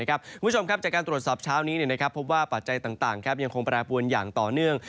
คุณผู้ชมครับจากการตรวจสอบเช้านี้พบว่าปัจจัยต่างยังคงแปรปวนอย่างต่อเนื่อง